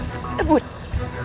putra kokem santam